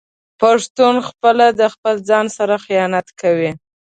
پښتون خپله د خپل ځان سره خيانت کړي